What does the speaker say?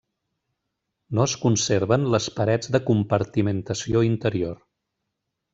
No es conserven les parets de compartimentació interior.